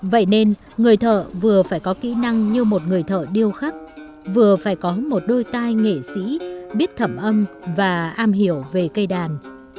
vậy nên người thợ vừa phải có kỹ năng như một người thợ điêu khắc vừa phải có một đôi tai nghệ sĩ biết thẩm âm và am hiểu về cây đàn